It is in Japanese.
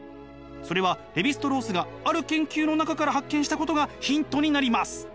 それはレヴィ＝ストロースがある研究の中から発見したことがヒントになります。